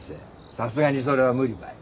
さすがにそれは無理ばい。